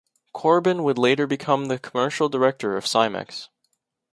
Corbin would later become the commercial director of Simex.